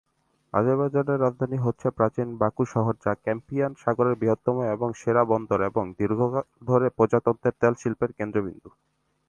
আজারবাইজানের রাজধানী হচ্ছে প্রাচীন বাকু শহর, যা ক্যাস্পিয়ান সাগরের বৃহত্তম এবং সেরা বন্দর এবং দীর্ঘকাল ধরে প্রজাতন্ত্রের তেল শিল্পের কেন্দ্রবিন্দু।